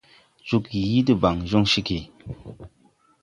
Joge yii debaŋ jɔŋ cege.